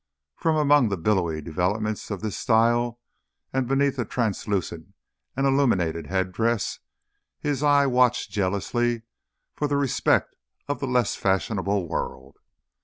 From among the billowy developments of this style, and beneath a translucent and illuminated headdress, his eye watched jealously for the respect of the less fashionable world.